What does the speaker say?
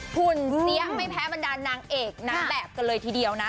หุ่นเสียไม่แพ้บรรดานางเอกนางแบบกันเลยทีเดียวนะ